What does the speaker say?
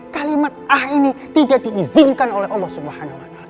kalimat ah ini tidak diizinkan oleh allah swt